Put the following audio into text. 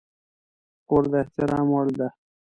خور د احترام وړ ده.